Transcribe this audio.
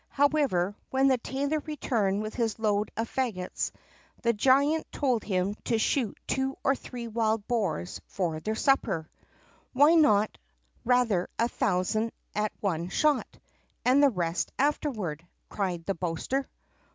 However, when the tailor returned with his load of faggots, the giant told him to shoot two or three wild boars for their supper. "Why not rather a thousand at one shot, and the rest afterward?" cried the boaster.